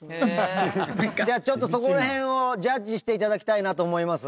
じゃあちょっとそこら辺をジャッジして頂きたいなと思います。